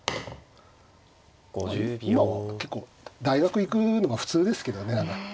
まあ今は結構大学行くのが普通ですけどね。